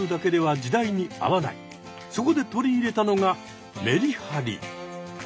そこで取り入れたのがメリハリ。